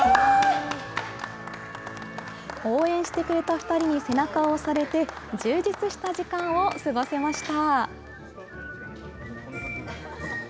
２人に背中を押されて、充実した時間を過ごせました。